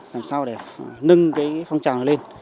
làm sao để nâng cái phong trào này lên